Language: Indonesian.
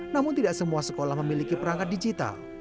namun tidak semua sekolah memiliki perangkat digital